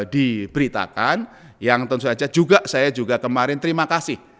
diberitakan yang tentu saja juga saya juga kemarin terima kasih